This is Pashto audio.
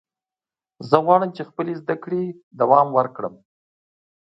زه غواړم چې خپلې زده کړې دوام ورکړم.